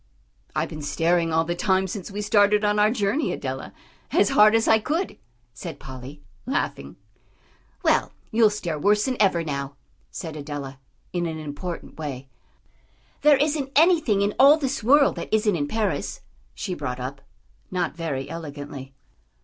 "I've been staring all the time since we started on our journey, Adela, as hard as I could," said Polly, laughing. "Well, you'll stare worse than ever now," said Adela, in an important way. "There isn't anything in all this world that isn't in Paris," she brought up, not very elegantly.